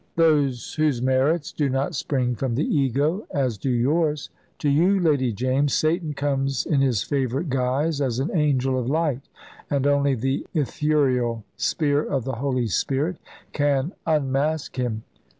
'" "Those whose merits do not spring from the ego, as do yours. To you, Lady James, Satan comes in his favourite guise, as an angel of light, and only the Ithuriel spear of the Holy Spirit can unmask him.